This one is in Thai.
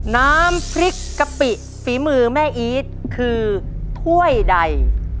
น้ำพริกกะปิฝีมือแม่อีทคือถ้วยใด